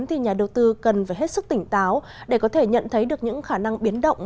thì nhà đầu tư cần phải hết sức tỉnh táo để có thể nhận thấy được những khả năng biến động